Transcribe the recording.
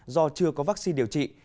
do chưa có vaccine điều trị